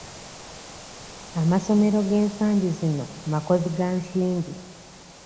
Amasomero g'ensangi zino makozi ga nsimbi.